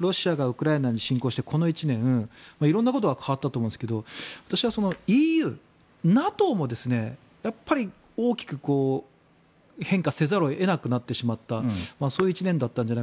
ロシアがウクライナに侵攻してこの１年色んなことが変わったと思うんですが私はＥＵ、ＮＡＴＯもやっぱり大きく変化せざるを得なくなってしまったそういう１年だったんじゃないか。